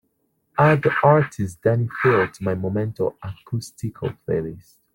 add the artist dani filth to my momento acústico playlist